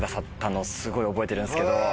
のをすごい覚えてるんですけど。